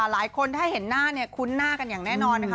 หลายคนถ้าเห็นหน้าเนี่ยคุ้นหน้ากันอย่างแน่นอนนะคะ